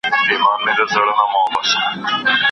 اوس « غلی شانته انقلاب» سندري نه ږغوي